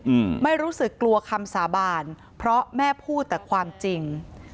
อืมไม่รู้สึกกลัวคำสาบานเพราะแม่พูดแต่ความจริง